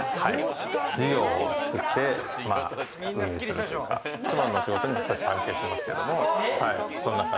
事業を作って運用するというか、妻の仕事にも少し関係していますけども。